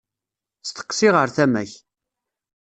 Steqsi ɣer tama-k.